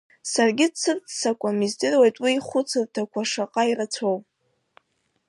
Саргьы дсырццакуам, издыруеит уи ихәыцырҭақәа шаҟа ирацәоу.